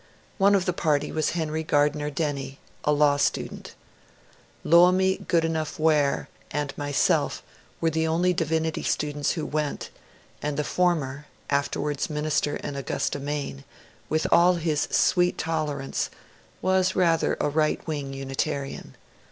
One of the party was Henry Gar diner Denny, a law student Loammi Goodenough Ware and myself were the only divinity students who went, and the former (afterwards minister in Augusta, Maine), with all his sweet tolerance, was rather a right wing Unitarian.